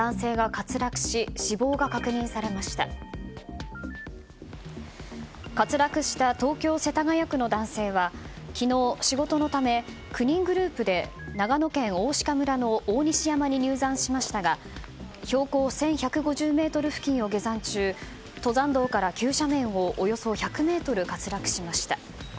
滑落した東京・世田谷区の男性は昨日、仕事のため９人グループで長野県大鹿村の大西山に入山しましたが標高１１５０ｍ付近を下山中登山道から急斜面をおよそ１００ｍ滑落しました。